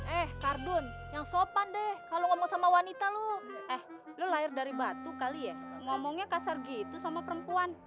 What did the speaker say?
eh kardun yang sopan deh kalau ngomong sama wanita lu eh lo lahir dari batu kali ya ngomongnya kasar gitu sama perempuan